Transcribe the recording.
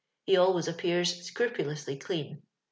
He always appears scrupulously clean.